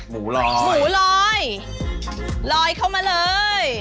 หมูลอยหมูลอยลอยเข้ามาเลย